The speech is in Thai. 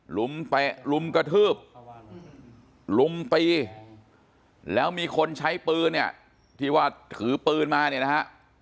หลุมกระทืบหลุมตีแล้วมีคนใช้ปืนที่ว่าถือปืนมาเนี่ยนะฮะ